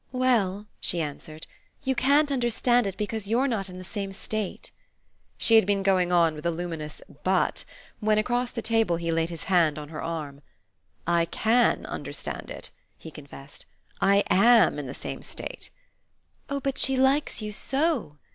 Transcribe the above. "Well," she answered, "you can't understand it because you're not in the same state." She had been going on with a luminous "But" when, across the table, he laid his hand on her arm. "I CAN understand it," he confessed. "I AM in the same state." "Oh but she likes you so!"